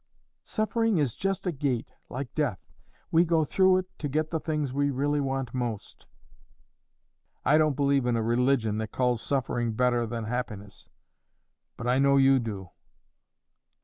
"Suffering is just a gate, like death. We go through it to get the things we really want most." "I don't believe in a religion that calls suffering better than happiness; but I know you do."